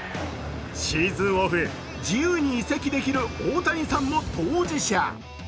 シーズンオフ、自由に移籍できる大谷さんも当事者。